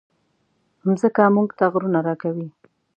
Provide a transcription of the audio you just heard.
مځکه موږ ته غرونه راکوي.